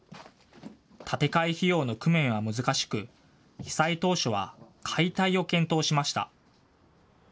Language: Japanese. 建て替え費用の工面は難しく、被災当初は解体を検討しました。